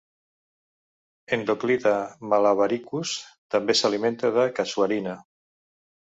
"Endoclita malabaricus" també s'alimenta de "Casuarina".